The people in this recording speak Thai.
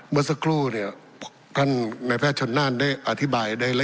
เมื่อสักครู่เนี่ยท่านณแพทย์ชนนั่นได้อธิบายได้ละเอียดแล้ว